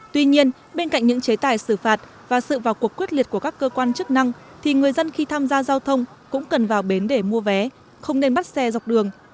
tuy nhiên bên cạnh những chế tài xử phạt và sự vào cuộc quyết liệt của các cơ quan chức năng thì người dân khi tham gia giao thông cũng cần vào bến để mua vé không nên bắt xe dọc đường